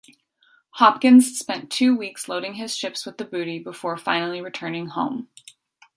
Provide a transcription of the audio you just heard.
Hopkins spent two weeks loading his ships with the booty before finally returning home.